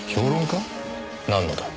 なんのだ？